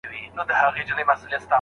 استاد له شاګرد سره ګام پر ګام مزل کوي.